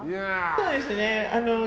そうですね。